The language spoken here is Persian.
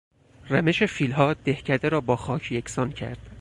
رمش فیلها دهکده را با خاک یکسان کرد.